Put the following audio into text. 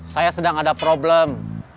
saya sedang ada problem